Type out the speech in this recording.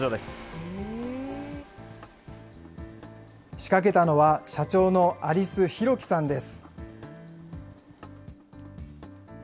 仕掛けたのは、社長の有巣弘城さんです。